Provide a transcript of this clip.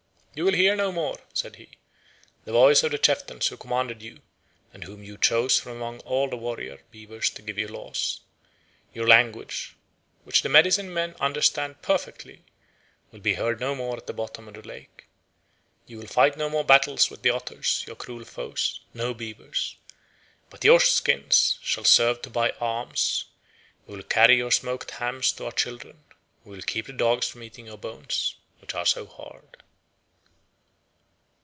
"You will hear no more," said he, "the voice of the chieftains who commanded you and whom you chose from among all the warrior beavers to give you laws. Your language, which the medicine men understand perfectly, will be heard no more at the bottom of the lake. You will fight no more battles with the otters, your cruel foes. No, beavers! But your skins shall serve to buy arms; we will carry your smoked hams to our children; we will keep the dogs from eating your bones, which are so hard."